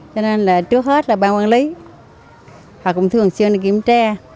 cho nên là trước hết là ban quản lý họ cũng thường xuyên đi kiểm tra